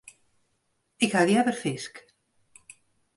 Ik ha leaver fisk.